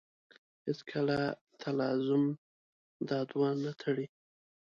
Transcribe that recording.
هېڅکله تلازم دا دوه نه تړي.